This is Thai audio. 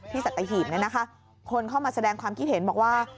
ที่สัตยหิบเนี่ยนะคะคนเข้ามาแสดงความคิดเห็นบอกว่า